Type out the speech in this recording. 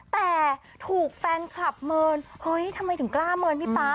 แต่ถูกแฟนคลับเมินเฮ้ยทำไมถึงกล้าเมินพี่ป๊า